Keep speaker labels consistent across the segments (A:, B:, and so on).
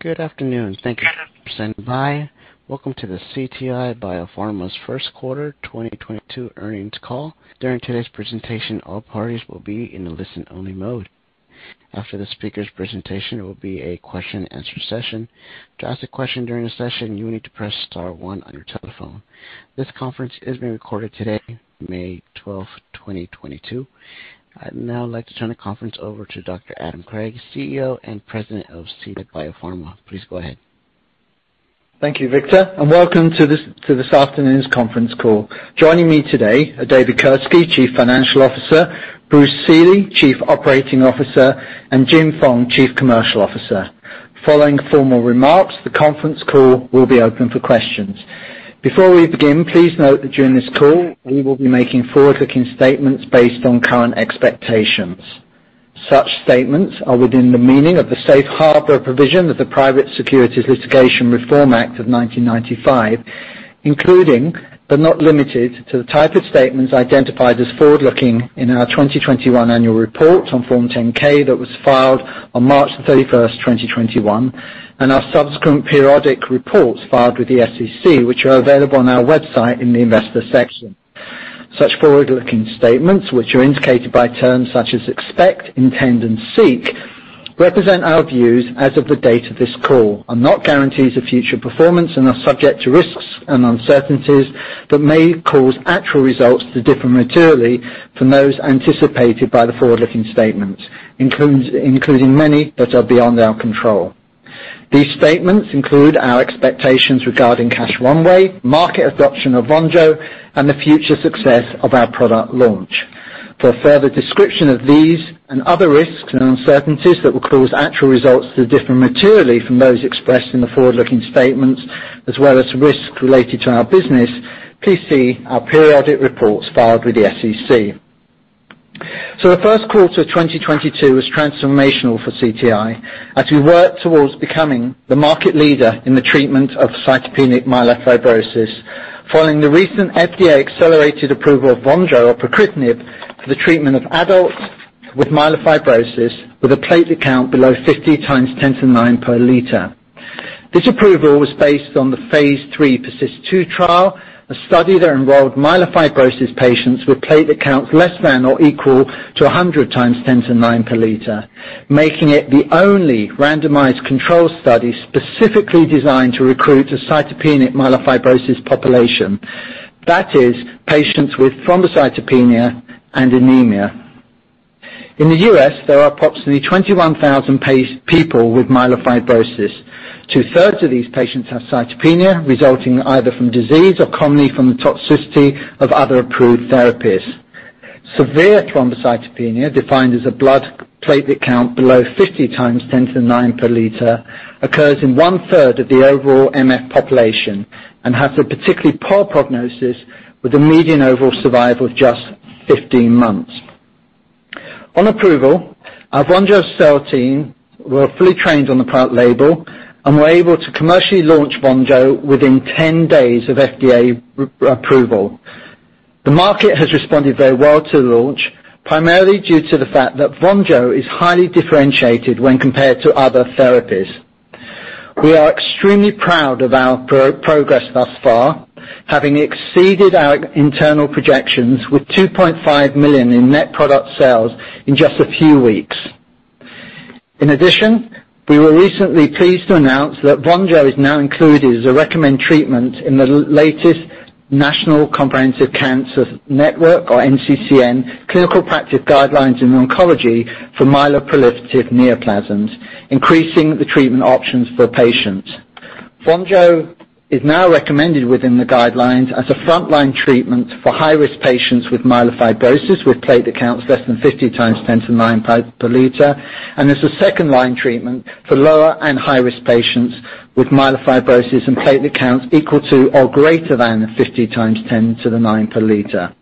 A: Good afternoon. Thank you for standing by. Welcome to the CTI BioPharma's first quarter 2022 earnings call. During today's presentation, all parties will be in a listen-only mode. After the speaker's presentation, there will be a question and answer session. To ask a question during the session, you will need to press star one on your telephone. This conference is being recorded today, May 12, 2022. I'd now like to turn the conference over to Dr. Adam Craig, CEO and President of CTI BioPharma. Please go ahead.
B: Thank you, Victor, and welcome to this afternoon's conference call. Joining me today are David Kirske, Chief Financial Officer, Bruce Seeley, Chief Operating Officer, and Jim Fong, Chief Commercial Officer. Following formal remarks, the conference call will be open for questions. Before we begin, please note that during this call, we will be making forward-looking statements based on current expectations. Such statements are within the meaning of the safe harbor provision of the Private Securities Litigation Reform Act of nineteen ninety-five, including, but not limited to, the type of statements identified as forward-looking in our 2021 annual report on Form 10-K that was filed on March 31, 2021, and our subsequent periodic reports filed with the SEC, which are available on our website in the investor section. Such forward-looking statements, which are indicated by terms such as expect, intend, and seek, represent our views as of the date of this call, are not guarantees of future performance and are subject to risks and uncertainties that may cause actual results to differ materially from those anticipated by the forward-looking statements, including many that are beyond our control. These statements include our expectations regarding cash runway, market adoption of VONJO, and the future success of our product launch. For a further description of these and other risks and uncertainties that will cause actual results to differ materially from those expressed in the forward-looking statements, as well as risks related to our business, please see our periodic reports filed with the SEC. The first quarter of 2022 was transformational for CTI as we work towards becoming the market leader in the treatment of cytopenic myelofibrosis following the recent FDA accelerated approval of VONJO, or pacritinib, for the treatment of adults with myelofibrosis with a platelet count below 50 x 10^9 per liter. This approval was based on the phase III PERSIST-2 trial, a study that enrolled myelofibrosis patients with platelet counts less than or equal to 100 x 10^9 per liter, making it the only randomized controlled study specifically designed to recruit a cytopenic myelofibrosis population, that is, patients with thrombocytopenia and anemia. In the U.S., there are approximately 21,000 people with myelofibrosis. Two-thirds of these patients have cytopenia, resulting either from disease or commonly from the toxicity of other approved therapies. Severe thrombocytopenia, defined as a blood platelet count below 50 × 10^9 per liter, occurs in one-third of the overall MF population and has a particularly poor prognosis, with a median overall survival of just 15 months. On approval, our VONJO sales team were fully trained on the product label and were able to commercially launch VONJO within 10 days of FDA approval. The market has responded very well to the launch, primarily due to the fact that VONJO is highly differentiated when compared to other therapies. We are extremely proud of our progress thus far, having exceeded our internal projections with $2.5 million in net product sales in just a few weeks. In addition, we were recently pleased to announce that VONJO is now included as a recommended treatment in the latest National Comprehensive Cancer Network, or NCCN, clinical practice guidelines in oncology for myeloproliferative neoplasms, increasing the treatment options for patients. VONJO is now recommended within the guidelines as a frontline treatment for high-risk patients with myelofibrosis, with platelet counts less than 50 × 10^9 per liter, and as a second line treatment for lower and high-risk patients with myelofibrosis and platelet counts equal to or greater than 50 × 10^9 per liter.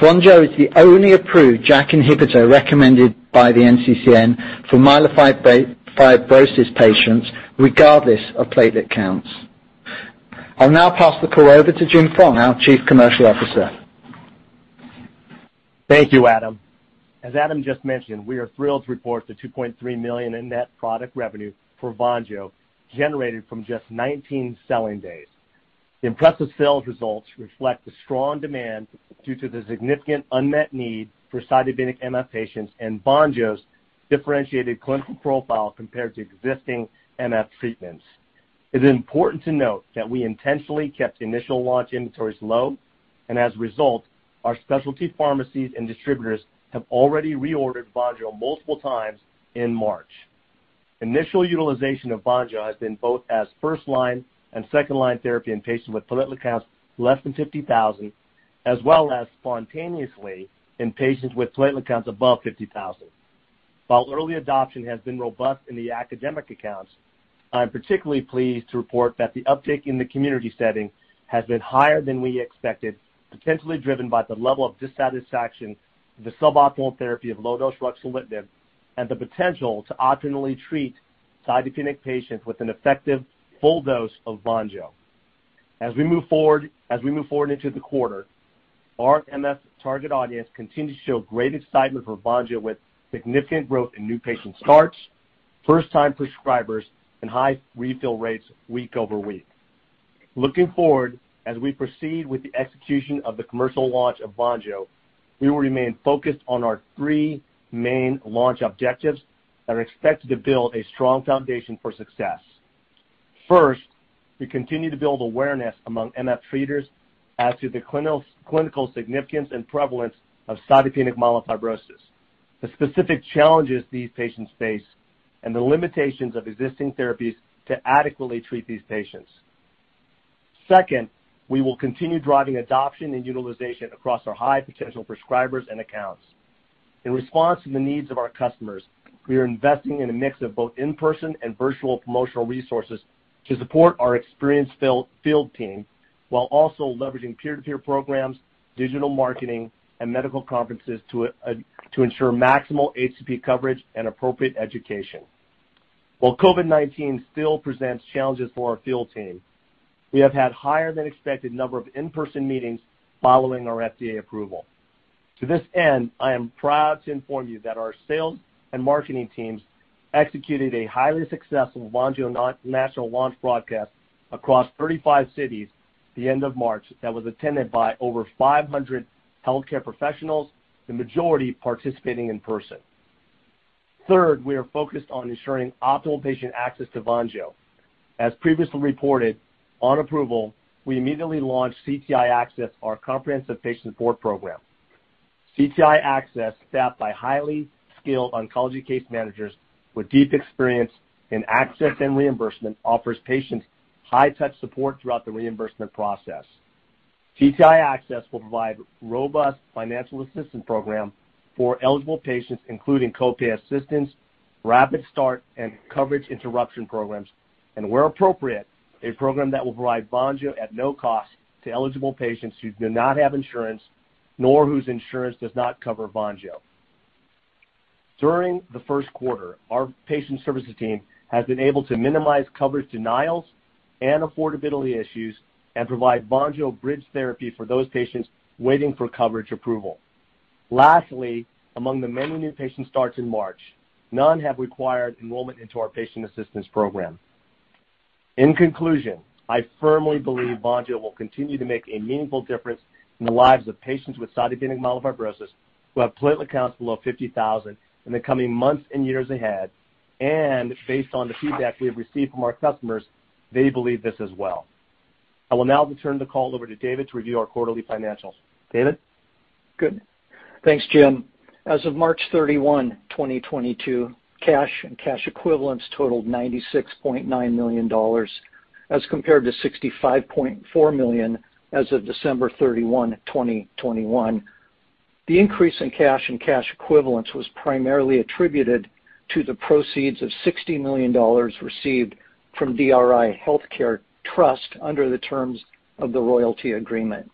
B: VONJO is the only approved JAK inhibitor recommended by the NCCN for myelofibrosis patients, regardless of platelet counts. I'll now pass the call over to Jim Fong, our Chief Commercial Officer.
C: Thank you, Adam. As Adam just mentioned, we are thrilled to report $2.3 million in net product revenue for VONJO generated from just 19 selling days. The impressive sales results reflect the strong demand due to the significant unmet need for cytopenic MF patients and VONJO's differentiated clinical profile compared to existing MF treatments. It is important to note that we intentionally kept initial launch inventories low, and as a result, our specialty pharmacies and distributors have already reordered VONJO multiple times in March. Initial utilization of VONJO has been both as first-line and second-line therapy in patients with platelet counts less than 50,000, as well as spontaneously in patients with platelet counts above 50,000. While early adoption has been robust in the academic accounts, I'm particularly pleased to report that the uptick in the community setting has been higher than we expected, potentially driven by the level of dissatisfaction with the suboptimal therapy of low-dose ruxolitinib and the potential to optimally treat cytopenic patients with an effective full dose of VONJO. As we move forward into the quarter, our MF target audience continued to show great excitement for VONJO with significant growth in new patient starts, first time prescribers and high refill rates week over week. Looking forward, as we proceed with the execution of the commercial launch of VONJO, we will remain focused on our three main launch objectives that are expected to build a strong foundation for success. First, we continue to build awareness among MF treaters as to the clinical significance and prevalence of cytopenic myelofibrosis, the specific challenges these patients face, and the limitations of existing therapies to adequately treat these patients. Second, we will continue driving adoption and utilization across our high potential prescribers and accounts. In response to the needs of our customers, we are investing in a mix of both in-person and virtual promotional resources to support our experienced field team while also leveraging peer-to-peer programs, digital marketing and medical conferences to ensure maximal HCP coverage and appropriate education. While COVID-19 still presents challenges for our field team, we have had higher than expected number of in-person meetings following our FDA approval. To this end, I am proud to inform you that our sales and marketing teams executed a highly successful VONJO national launch broadcast across 35 cities at the end of March that was attended by over 500 healthcare professionals, the majority participating in person. Third, we are focused on ensuring optimal patient access to VONJO. As previously reported, on approval, we immediately launched CTI Access, our comprehensive patient support program. CTI Access, staffed by highly skilled oncology case managers with deep experience in access and reimbursement, offers patients high touch support throughout the reimbursement process. CTI Access will provide robust financial assistance program for eligible patients, including co-pay assistance, rapid start and coverage interruption programs, and where appropriate, a program that will provide VONJO at no cost to eligible patients who do not have insurance nor whose insurance does not cover VONJO. During the first quarter, our patient services team has been able to minimize coverage denials and affordability issues and provide VONJO bridge therapy for those patients waiting for coverage approval. Lastly, among the many new patient starts in March, none have required enrollment into our patient assistance program. In conclusion, I firmly believe VONJO will continue to make a meaningful difference in the lives of patients with cytopenic myelofibrosis who have platelet counts below 50,000 in the coming months and years ahead. Based on the feedback we have received from our customers, they believe this as well. I will now turn the call over to David to review our quarterly financials. David?
D: Good. Thanks, Jim. As of March 31, 2022, cash and cash equivalents totaled $96.9 million as compared to $65.4 million as of December 31, 2021. The increase in cash and cash equivalents was primarily attributed to the proceeds of $60 million received from DRI Healthcare Trust under the terms of the royalty agreement.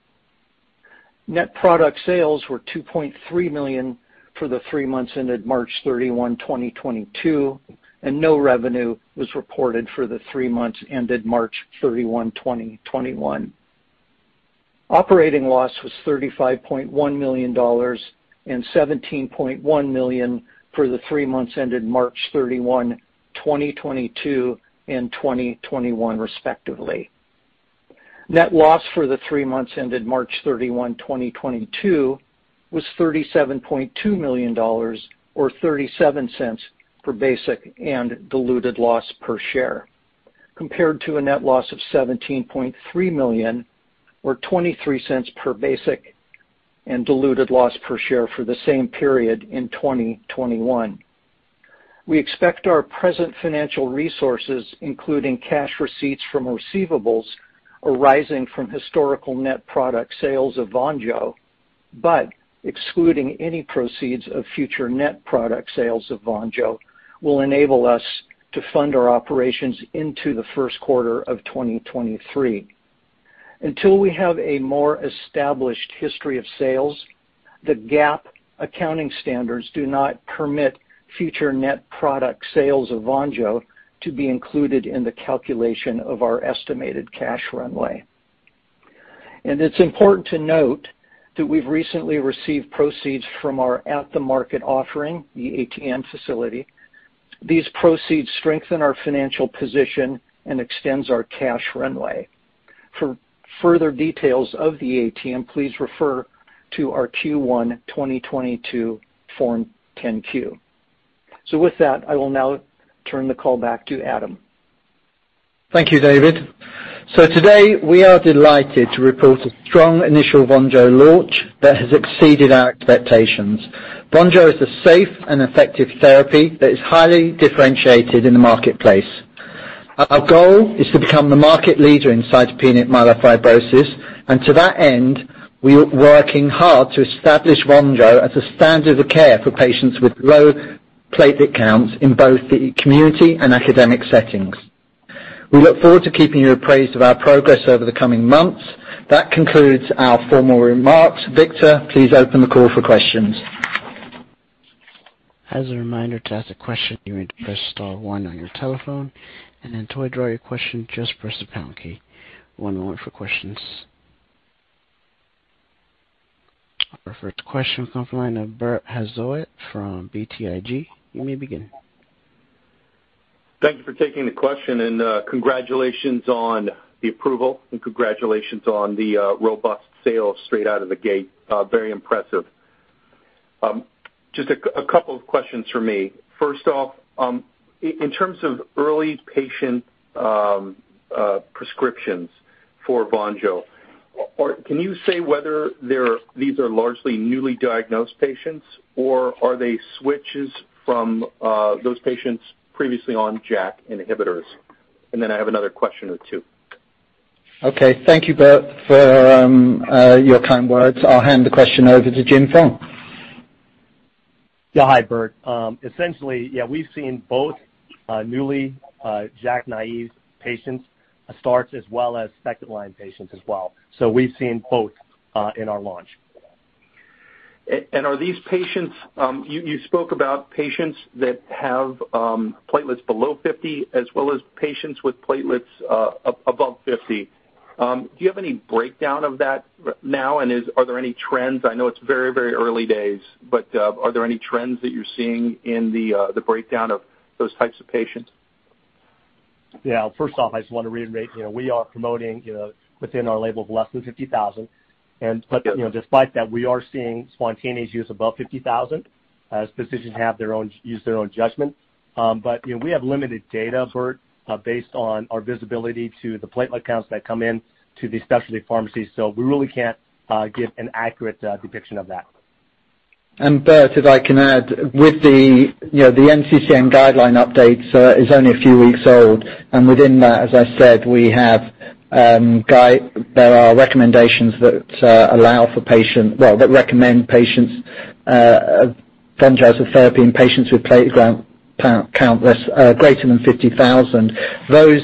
D: Net product sales were $2.3 million for the three months ended March 31, 2022, and no revenue was reported for the three months ended March 31, 2021. Operating loss was $35.1 million and $17.1 million for the three months ended March 31, 2022 and 2021, respectively. Net loss for the three months ended March 31, 2022 was $37.2 million or $0.37 per basic and diluted loss per share, compared to a net loss of $17.3 million or $0.23 per basic and diluted loss per share for the same period in 2021. We expect our present financial resources, including cash receipts from receivables arising from historical net product sales of VONJO, but excluding any proceeds of future net product sales of VONJO, will enable us to fund our operations into the first quarter of 2023. Until we have a more established history of sales, the GAAP accounting standards do not permit future net product sales of VONJO to be included in the calculation of our estimated cash runway. It's important to note that we've recently received proceeds from our at-the-market offering, the ATM facility. These proceeds strengthen our financial position and extends our cash runway. For further details of the ATM, please refer to our Q1 2022 Form 10-Q. With that, I will now turn the call back to Adam.
B: Thank you, David. Today, we are delighted to report a strong initial VONJO launch that has exceeded our expectations. VONJO is a safe and effective therapy that is highly differentiated in the marketplace. Our goal is to become the market leader in cytopenic myelofibrosis, and to that end, we are working hard to establish VONJO as a standard of care for patients with low platelet counts in both the community and academic settings. We look forward to keeping you apprised of our progress over the coming months. That concludes our formal remarks. Victor, please open the call for questions.
A: As a reminder to ask a question, you need to press star one on your telephone, and then to withdraw your question, just press the pound key. One moment for questions. Our first question comes from the line of Bert Hazlett from BTIG. You may begin.
E: Thank you for taking the question and, congratulations on the approval and congratulations on the robust sales straight out of the gate. Very impressive. Just a couple of questions from me. First off, in terms of early patient prescriptions for VONJO, can you say whether these are largely newly diagnosed patients or are they switches from those patients previously on JAK inhibitors? And then I have another question or two.
B: Okay. Thank you, Bert, for your kind words. I'll hand the question over to Jim Fong.
C: Yeah. Hi, Bert. Essentially, yeah, we've seen both newly JAK-naïve patient starts as well as second-line patients as well. We've seen both in our launch.
E: Are these patients you spoke about patients that have platelets below 50 as well as patients with platelets above 50. Do you have any breakdown of that right now and are there any trends? I know it's very, very early days, but are there any trends that you're seeing in the breakdown of those types of patients?
C: Yeah. First off, I just wanna reiterate, you know, we are promoting, you know, within our label of less than 50,000.
E: Okay.
C: You know, despite that, we are seeing spontaneous use above 50,000 as physicians use their own judgment. You know, we have limited data, Bert, based on our visibility to the platelet counts that come in to the specialty pharmacies. We really can't give an accurate depiction of that.
B: Bert, if I can add, with the you know the NCCN guideline update is only a few weeks old, and within that, as I said, we have. There are recommendations that recommend VONJO therapy in patients with platelet count greater than 50,000. Those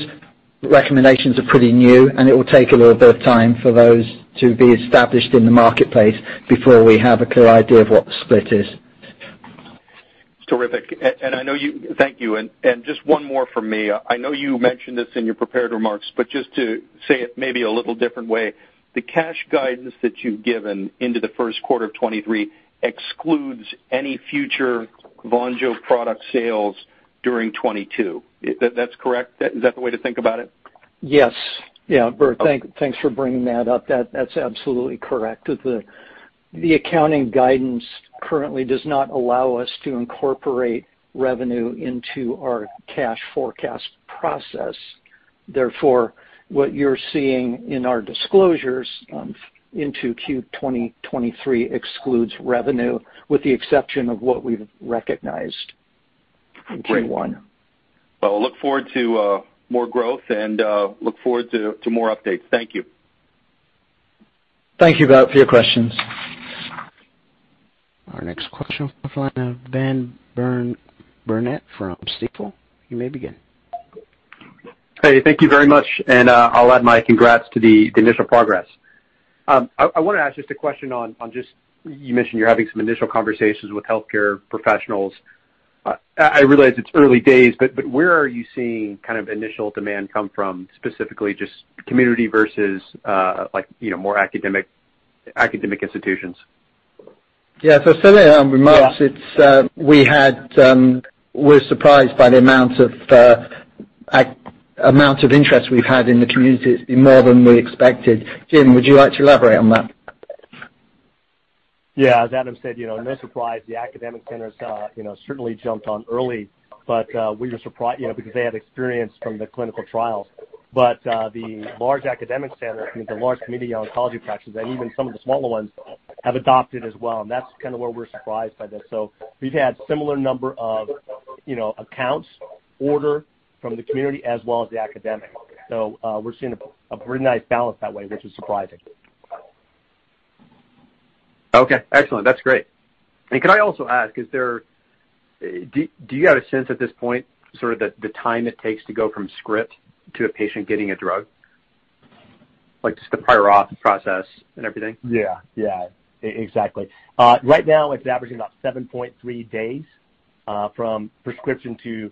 B: recommendations are pretty new, and it will take a little bit of time for those to be established in the marketplace before we have a clear idea of what the split is.
E: Terrific. I know you. Thank you. Just one more from me. I know you mentioned this in your prepared remarks, but just to say it maybe a little different way. The cash guidance that you've given into the first quarter of 2023 excludes any future VONJO product sales during 2022. Is that correct? Is that the way to think about it?
D: Yes. Yeah, Bert, thanks for bringing that up. That's absolutely correct. The accounting guidance currently does not allow us to incorporate revenue into our cash forecast process. Therefore, what you're seeing in our disclosures into Q 2023 excludes revenue, with the exception of what we've recognized.
E: Great.
D: In Q1.
E: Well, look forward to more growth and more updates. Thank you.
B: Thank you, Bert, for your questions.
A: Our next question comes from the line of Ben Burnett from Stifel. You may begin.
F: Hey, thank you very much, and I'll add my congrats to the initial progress. I wanna ask just a question on just. You mentioned you're having some initial conversations with healthcare professionals. I realize it's early days, but where are you seeing kind of initial demand come from specifically just community versus, like, you know, more academic institutions?
B: Yeah. Similar remarks.
F: Yeah.
B: We're surprised by the amount of interest we've had in the community. It's been more than we expected. Jim, would you like to elaborate on that?
C: Yeah. As Adam said, you know, no surprise the academic centers, you know, certainly jumped on early, but you know, because they had experience from the clinical trials. The large academic centers and the large community oncology practices and even some of the smaller ones have adopted as well, and that's kinda where we're surprised by this. We've had similar number of, you know, accounts ordering from the community as well as the academic. We're seeing a pretty nice balance that way, which is surprising.
F: Okay. Excellent. That's great. Can I also ask, do you have a sense at this point sort of the time it takes to go from script to a patient getting a drug? Like, just the prior auth process and everything.
C: Yeah. Yeah. Exactly. Right now, it's averaging about 7.3 days from prescription to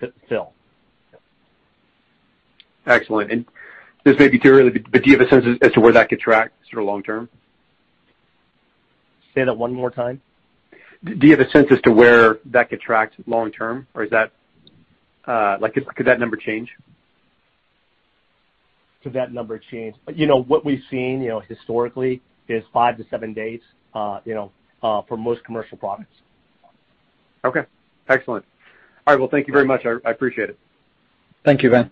C: p-fill.
F: Excellent. This may be too early, but do you have a sense as to where that could track sort of long term?
C: Say that one more time.
F: Do you have a sense as to where that could track long term or is that, like, could that number change?
C: Could that number change? You know, what we've seen, you know, historically is five to seven days, you know, for most commercial products.
F: Okay. Excellent. All right. Well, thank you very much. I appreciate it.
B: Thank you, Ben.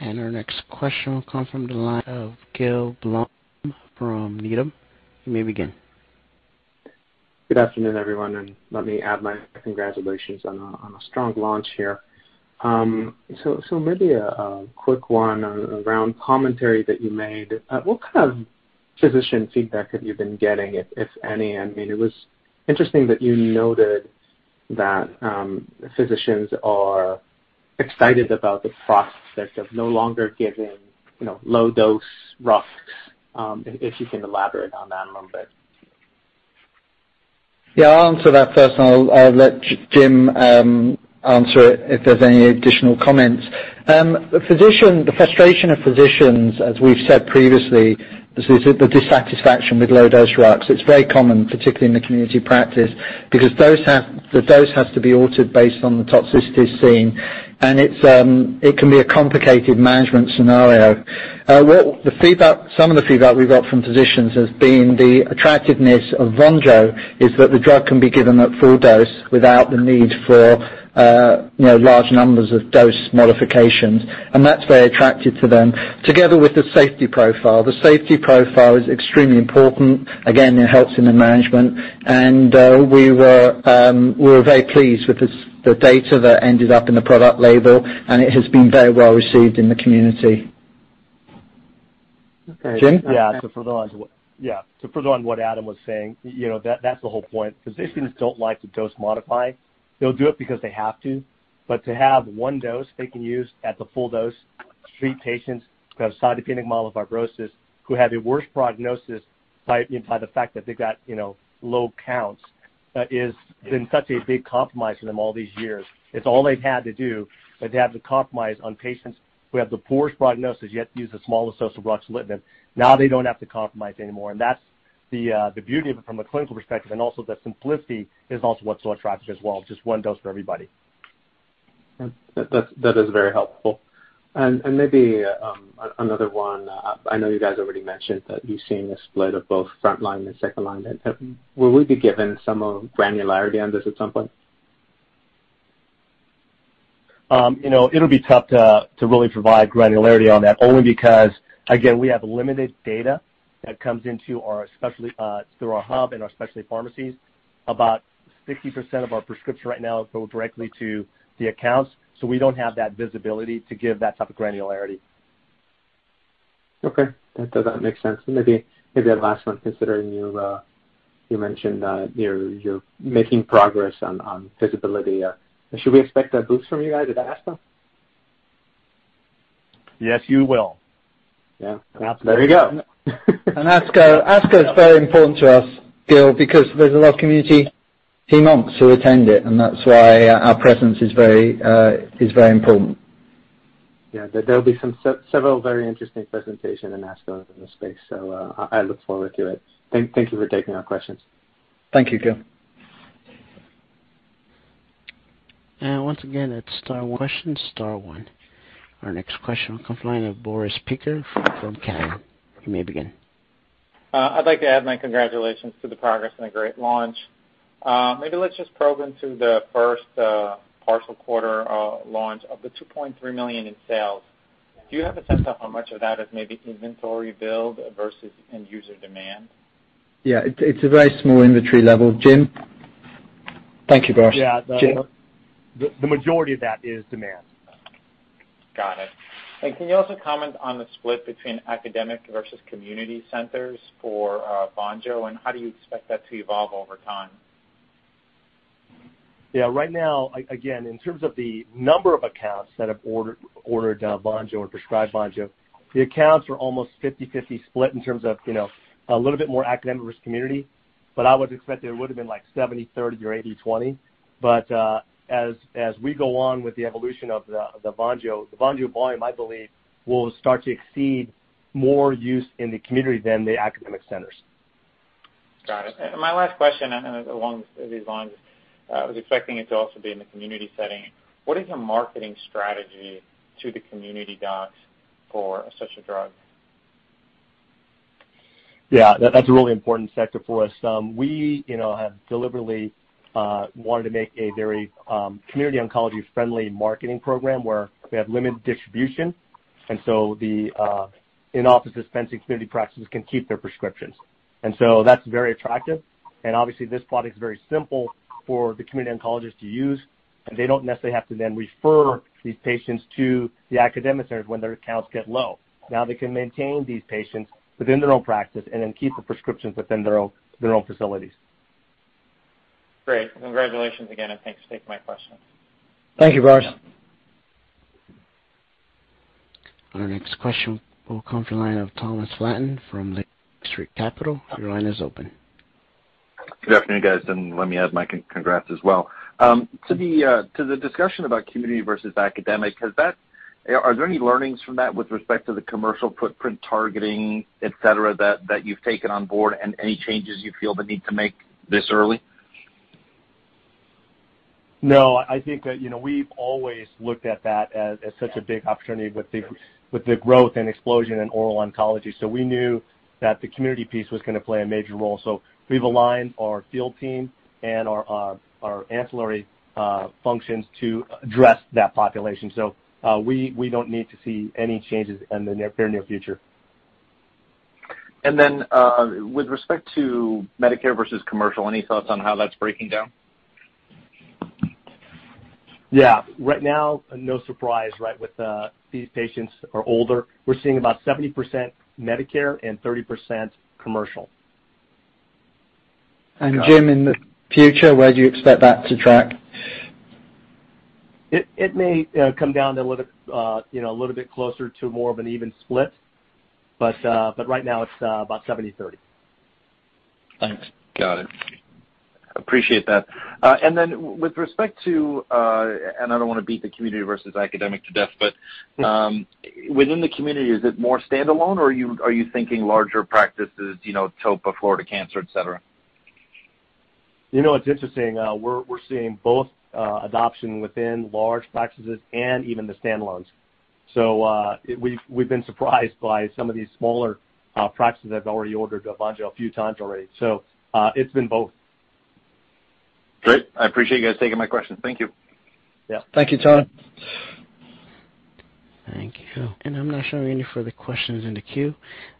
A: Our next question will come from the line of Gil Blum from Needham. You may begin.
G: Good afternoon, everyone, and let me add my congratulations on a strong launch here. Maybe a quick one around commentary that you made. What kind of physician feedback have you been getting, if any? I mean, it was interesting that you noted. That physicians are excited about the prospect of no longer giving, you know, low dose rux, if you can elaborate on that a little bit?
B: Yeah. I'll answer that first, and I'll let Jim answer it if there's any additional comments. The frustration of physicians, as we've said previously, this is the dissatisfaction with low-dose rux. It's very common, particularly in the community practice, because the dose has to be altered based on the toxicities seen, and it can be a complicated management scenario. Some of the feedback we've got from physicians has been the attractiveness of VONJO is that the drug can be given at full dose without the need for, you know, large numbers of dose modifications, and that's very attractive to them. Together with the safety profile. The safety profile is extremely important. Again, it helps in the management. We were very pleased with the data that ended up in the product label, and it has been very well received in the community.
G: Okay.
B: Jim.
C: Yeah. To further on what Adam was saying, you know, that's the whole point. Physicians don't like to dose modify. They'll do it because they have to, but to have one dose they can use at the full dose, treat patients who have cytopenic myelofibrosis, who have the worst prognosis by the fact that they've got, you know, low counts, has been such a big compromise for them all these years. It's all they've had to do, but they have to compromise on patients who have the poorest prognosis, yet use the smallest dose of ruxolitinib. Now they don't have to compromise anymore. That's the beauty of it from a clinical perspective, and also the simplicity is also what's so attractive as well, just one dose for everybody.
G: That is very helpful. Maybe another one. I know you guys already mentioned that you're seeing a split of both frontline and second line. Will we be given some granularity on this at some point?
C: You know, it'll be tough to really provide granularity on that, only because, again, we have limited data that comes into our specialty through our hub and our specialty pharmacies. About 60% of our prescriptions right now go directly to the accounts, so we don't have that visibility to give that type of granularity.
G: Okay. That does make sense. Maybe a last one, considering you mentioned you're making progress on visibility. Should we expect a boost from you guys at ASCO?
C: Yes, you will.
G: Yeah.
C: There you go.
B: ASCO is very important to us, Gil, because there's a lot of community hemons who attend it, and that's why our presence is very important.
G: Yeah. There'll be some several very interesting presentation in ASCO in this space, so, I look forward to it. Thank you for taking our questions.
B: Thank you, Gil.
A: Once again, it's star one. Question star one. Our next question will come from the line of Boris Peaker from Cowen. You may begin.
H: I'd like to add my congratulations to the progress and a great launch. Maybe let's just probe into the first partial quarter launch of the $2.3 million in sales. Do you have a sense of how much of that is maybe inventory build versus end user demand?
B: Yeah. It's a very small inventory level. Jim. Thank you, Boris.
C: Yeah.
B: Jim.
C: The majority of that is demand.
H: Got it. Can you also comment on the split between academic versus community centers for VONJO and how do you expect that to evolve over time?
C: Yeah. Right now, again, in terms of the number of accounts that have ordered VONJO or prescribed VONJO, the accounts are almost 50/50 split in terms of, you know, a little bit more academic versus community, but I would expect it would have been like 70/30 or 80/20. As we go on with the evolution of the VONJO, the VONJO volume, I believe, will start to exceed more use in the community than the academic centers.
H: Got it. My last question along these lines, I was expecting it to also be in the community setting. What is your marketing strategy to the community docs for such a drug?
C: Yeah, that's a really important sector for us. We, you know, have deliberately wanted to make a very community oncology-friendly marketing program where we have limited distribution, and so the in-office dispensing community practices can keep their prescriptions. That's very attractive. Obviously this product is very simple for the community oncologist to use, and they don't necessarily have to then refer these patients to the academic centers when their accounts get low. Now, they can maintain these patients within their own practice and then keep the prescriptions within their own facilities.
H: Great. Congratulations again, and thanks for taking my questions.
C: Thank you, Boris.
A: Our next question will come from the line of Thomas Flaten from Lake Street Capital Markets. Your line is open.
I: Good afternoon, guys, and let me add my congrats as well. To the discussion about community versus academic, are there any learnings from that with respect to the commercial footprint targeting, et cetera, that you've taken on board and any changes you feel the need to make this early?
C: No. I think that, you know, we've always looked at that as such a big opportunity with the growth and explosion in oral oncology. We knew that the community piece was gonna play a major role. We've aligned our field team and our ancillary functions to address that population. We don't need to see any changes in the near future.
I: With respect to Medicare versus commercial, any thoughts on how that's breaking down?
C: Yeah. Right now, no surprise, right? With these patients are older. We're seeing about 70% Medicare and 30% commercial.
I: Got it.
B: Jim, in the future, where do you expect that to track?
C: It may come down to a little, you know, a little bit closer to more of an even split, but right now it's about 70/30.
I: Thanks. Got it. Appreciate that. With respect to, and I don't wanna beat the community versus academic to death, but within the community, is it more standalone or are you thinking larger practices, you know, TOFA, Florida Cancer, et cetera?
C: You know, it's interesting. We're seeing both adoption within large practices and even the standalones. We've been surprised by some of these smaller practices that have already ordered VONJO a few times already. It's been both.
I: Great. I appreciate you guys taking my questions. Thank you.
C: Yeah. Thank you, Tom.
A: Thank you. I'm not showing any further questions in the queue.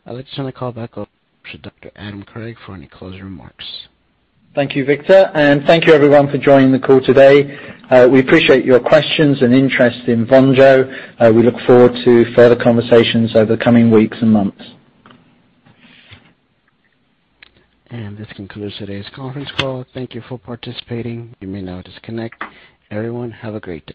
A: I'd like to turn the call back over to Dr. Adam Craig for any closing remarks.
B: Thank you, Victor. Thank you everyone for joining the call today. We appreciate your questions and interest in VONJO. We look forward to further conversations over the coming weeks and months.
A: This concludes today's conference call. Thank you for participating. You may now disconnect. Everyone, have a great day.